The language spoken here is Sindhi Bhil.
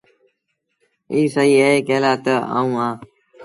ايٚ سهيٚ اهي ڪݩهݩ لآ تا آئوٚنٚ اهآنٚ۔